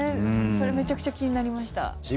それめちゃくちゃ気になりました。